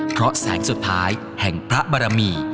เพราะแสงสุดท้ายแห่งพระบารมี